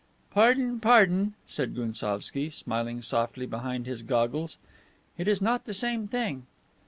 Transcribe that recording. "Pardon, pardon," said Gounsovski, smiling softly behind his goggles; "it is not the same thing."